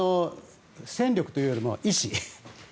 戦力というよりも意志。